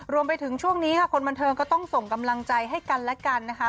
รวมไปถึงช่วงนี้ค่ะคนบันเทิงก็ต้องส่งกำลังใจให้กันและกันนะคะ